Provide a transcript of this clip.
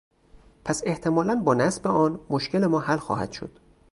پس احتمالا با نصب آن، مشکل ما حل خواهد شد.